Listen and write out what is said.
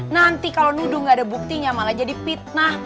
nanti kalau nuduh gak ada buktinya malah jadi fitnah